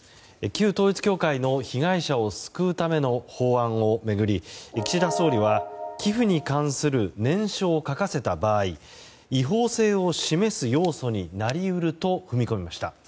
旧統一教会の被害者を救うための法案を巡り岸田総理は寄付に関する念書を書かせた場合違法性を示す要素になり得ると踏み込みました。